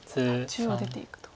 中央出ていくと。